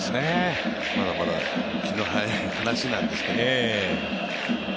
まだまだ気の早い話なんですけど。